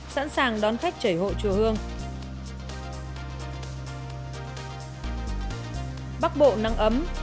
xã sàng đón khách chảy hộ chùa hương